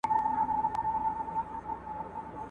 پکښي لوښي د لکونو دي زعفران دي ,